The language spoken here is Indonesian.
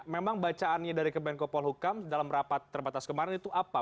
memang bacaannya dari kemenkopol hukam dalam rapat terbatas kemarin itu apa